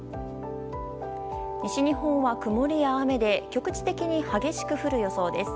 西日本は曇りや雨で、局地的に激しく降る予想です。